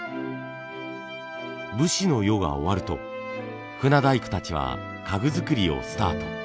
武士の世が終わると船大工たちは家具作りをスタート。